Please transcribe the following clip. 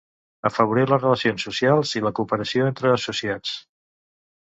Afavorir les relacions socials i la cooperació entre associats.